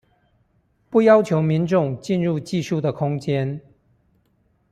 不要求民眾進入技術的空間